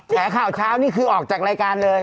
ข่าวเช้านี่คือออกจากรายการเลย